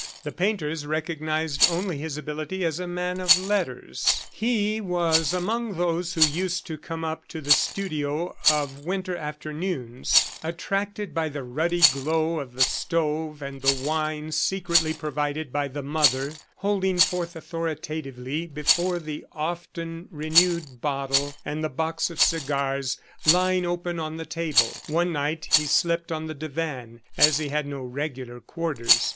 The painters recognized only his ability as a man of letters. He was among those who used to come up to the studio of winter afternoons, attracted by the ruddy glow of the stove and the wines secretly provided by the mother, holding forth authoritatively before the often renewed bottle and the box of cigars lying open on the table. One night, he slept on the divan, as he had no regular quarters.